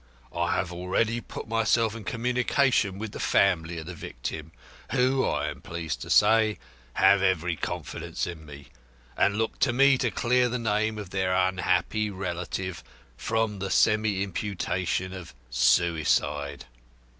I have already put myself in communication with the family of the victim, who, I am pleased to say, have every confidence in me, and look to me to clear the name of their unhappy relative from the semi imputation of suicide.